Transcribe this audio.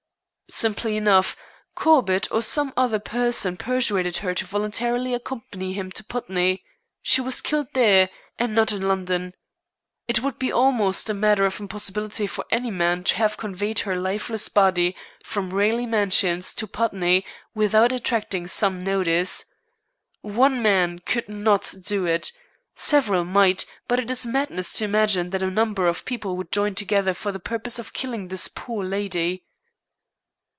"Simply enough. Corbett, or some other person, persuaded her to voluntarily accompany him to Putney. She was killed there, and not in London. It would be almost a matter of impossibility for any man to have conveyed her lifeless body from Raleigh Mansions to Putney without attracting some notice. One man could not do it. Several might, but it is madness to imagine that a number of people would join together for the purpose of killing this poor lady."